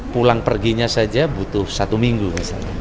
pulang perginya saja butuh satu minggu